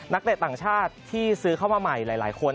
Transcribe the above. นักเตะต่างชาติที่ซื้อเข้ามาใหม่หลายคน